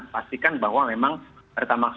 pastikan bahwa memang pertamaks